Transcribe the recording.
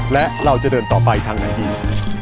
และเราจะเดินต่อไปทางไหนดี